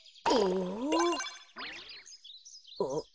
あっ。